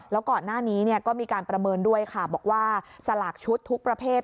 แล้วก่อนหน้านี้ก็มีการประเมินด้วยค่ะบอกว่าสลากชุดทุกประเภท